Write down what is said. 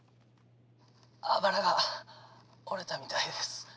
あばらが折れたみたいです。